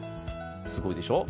すごいでしょ。